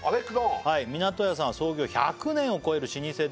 「みなとやさんは創業１００年を超える老舗で」